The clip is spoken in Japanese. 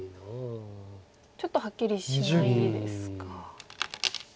ちょっとはっきりしないですか。